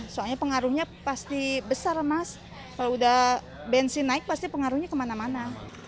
soalnya pengaruhnya pasti besar mas kalau udah bensin naik pasti pengaruhnya kemana mana